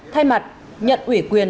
thay mặt nhận ủy quyền